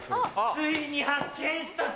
ついに発見したぞ！